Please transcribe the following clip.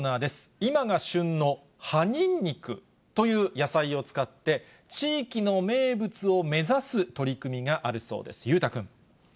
今が旬の葉ニンニクという野菜を使って、地域の名物を目指す取り組みがあるそうです。